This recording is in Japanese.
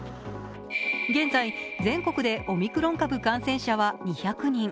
現在、全国でオミクロン株感染者は２００人。